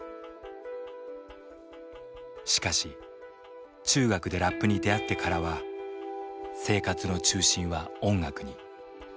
しかし中学でラップに出会ってからは生活の中心は音楽に。